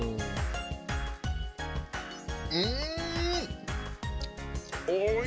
うん！